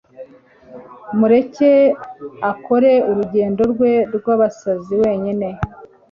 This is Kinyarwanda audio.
Mureke akore urugendo rwe rwabasazi wenyine